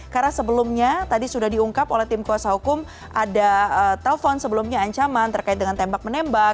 karena sebelumnya tadi sudah diungkap oleh tim kuasa hukum ada telpon sebelumnya ancaman terkait dengan tembak menembak